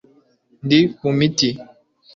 Ndi ku miti